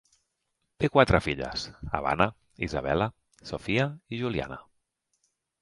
Té quatre filles: Havana, Isabella, Sophia i Juliana.